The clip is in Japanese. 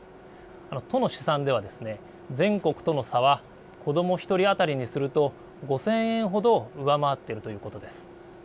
都の試算では全国との差は子ども１人当たりにすると５０００円ほど上回っているということです。